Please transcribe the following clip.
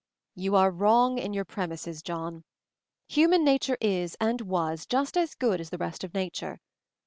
"You are wrong in your premises, John. Human nature is, and was, just as good as the rest of nature.